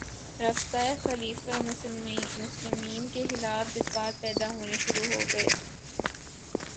رفتہ خلیفتہ المسلمین کے خلاف جذبات پیدا ہونے شروع ہوگئے